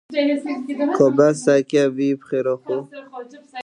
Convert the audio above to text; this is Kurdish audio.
Ka ji xwe re lê binêrin.